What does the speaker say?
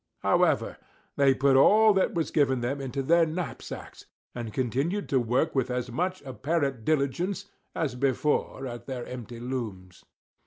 However, they put all that was given them into their knapsacks; and continued to work with as much apparent diligence as before at their empty looms.